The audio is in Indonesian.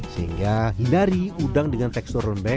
sehingga hindari udang dengan tekstur lembek